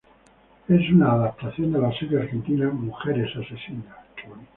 Es una adaptación de la serie argentina "Mujeres asesinas".